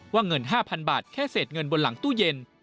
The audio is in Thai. ว่าเงิน๕๐๐๐บาทแค่เสร็จเงินบนหลังตู้เย็น